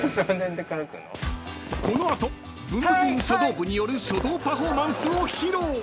［この後ブンブブーン書道部による書道パフォーマンスを披露］